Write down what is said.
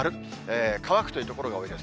乾くという所が多いです。